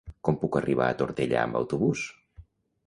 Com puc arribar a Tortellà amb autobús?